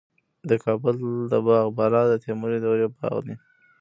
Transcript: د کابل د باغ بالا د تیموري دورې باغ دی